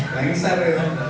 lengser ya pak